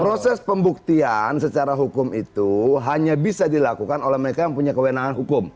proses pembuktian secara hukum itu hanya bisa dilakukan oleh mereka yang punya kewenangan hukum